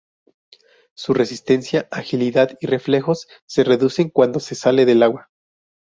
Su resistencia, agilidad y reflejos se reducen cuando se sale del agua.